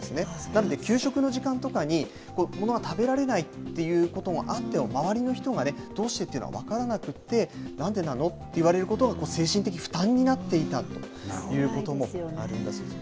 なので給食の時間とかに、ものが食べられないっていうこともあって、周りの人がどうしてっていうのが分からなくって、なんでなの？って言われることが、精神的負担になっていたということもあるんだそうです。